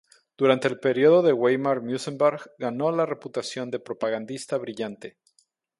Durante el periodo de Weimar, Münzenberg ganó la reputación de propagandista brillante.